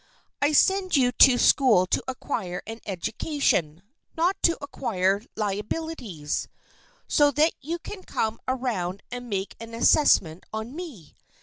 I send you to school to acquire an education, not to acquire liabilities, so that you can come around and make an assessment on me.